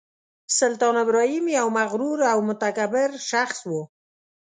سلطان ابراهیم یو مغرور او متکبر شخص و.